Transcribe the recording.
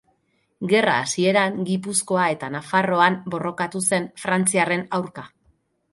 Gerra hasieran, Gipuzkoa eta Nafarroan borrokatu zen frantziarren aurka.